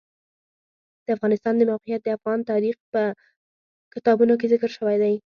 د افغانستان د موقعیت د افغان تاریخ په کتابونو کې ذکر شوی دي.